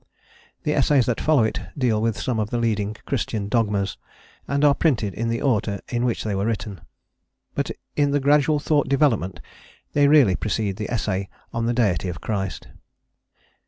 The essays that follow it deal with some of the leading Christian dogmas, and are printed in the order in which they were written. But in the gradual thought development they really precede the essay on the "Deity of Christ".